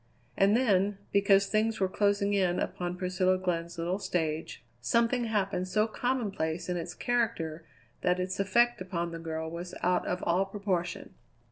And then, because things were closing in upon Priscilla Glenn's little stage, something happened so commonplace in its character that its effect upon the girl was out of all proportion.